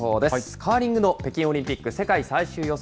カーリングの北京オリンピック世界最終予選。